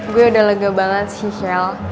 gue udah lega banget sih shell